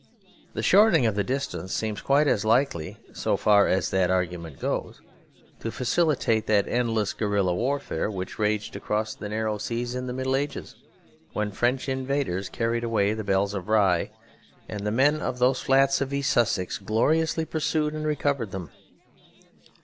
The shortening of the distance seems quite as likely, so far as that argument goes, to facilitate that endless guerilla warfare which raged across the narrow seas in the Middle Ages; when French invaders carried away the bells of Rye, and the men of those flats of East Sussex gloriously pursued and recovered them.